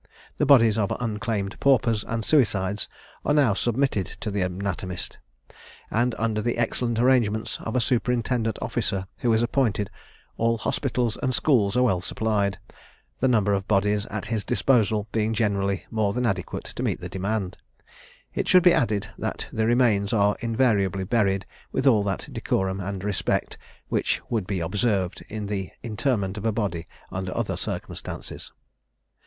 The bodies of unclaimed paupers and suicides are now submitted to the anatomist; and under the excellent arrangements of a superintendant officer who is appointed, all hospitals and schools are well supplied, the number of bodies at his disposal being generally more than adequate to meet the demand. It should be added, that the remains are invariably buried with all that decorum and respect, which would be observed in the interment of a body under other circumstances.